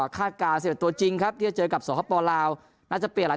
คาดการณ์๑๑ตัวจริงครับที่จะเจอกับสคปลาวน่าจะเปลี่ยนหลัก